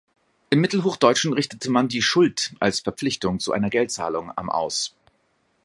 Im Mittelhochdeutschen richtete man die „schult“ als Verpflichtung zu einer Geldzahlung am aus.